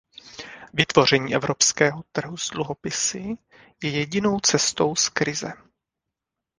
Vytvoření evropského trhu s dluhopisy je jedinou cestou z krize.